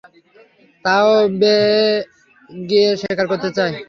তা ও বে থেকে গিয়ে শিকার করতে চায়।